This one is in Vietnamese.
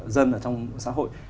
dân ở trong xã hội